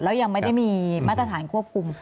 แล้วยังไม่ได้มีมาตรฐานควบคุม